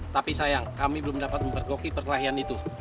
tapi sayang kami belum dapat mempergoki perkelahian itu